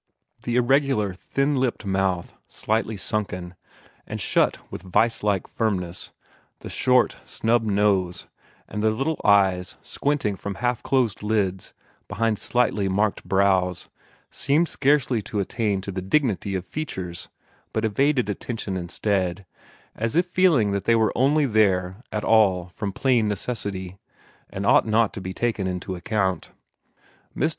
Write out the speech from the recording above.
The irregular, thin lipped mouth, slightly sunken, and shut with vice like firmness, the short snub nose, and the little eyes squinting from half closed lids beneath slightly marked brows, seemed scarcely to attain to the dignity of features, but evaded attention instead, as if feeling that they were only there at all from plain necessity, and ought not to be taken into account. Mr.